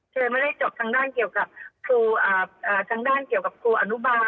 เธอไม่ได้จบทางด้านเกี่ยวกับครูอนุบาล